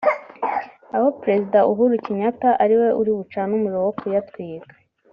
aho Perezida Uhuru Kenyatta ari we uri bucane umuriro wo kuyatwika